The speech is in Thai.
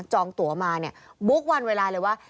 จองตัวมาบุ๊ควันเวลาเลยว่า